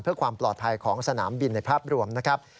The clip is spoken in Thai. เพื่อความปลอดภัยของสนามบินในภาพรวมนะครับ